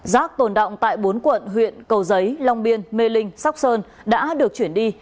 rác tồn động tại bốn quận huyện cầu giấy long biên mê linh sóc sơn đã được chuyển đi